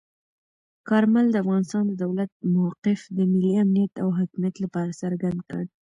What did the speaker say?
کارمل د افغانستان د دولت موقف د ملي امنیت او حاکمیت لپاره څرګند کړ.